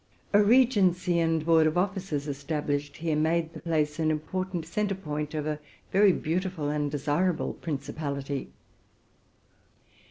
A regency and board of 26 TRUTH AND FICTION officers established here made the place an important centre of a very beautiful and desirable principality.